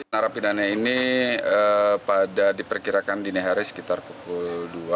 narapidana ini pada diperkirakan dini hari sekitar pukul dua puluh